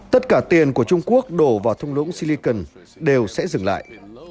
tất cả tiền của trung quốc đổ vào thung lũng silicon đều sẽ dừng lại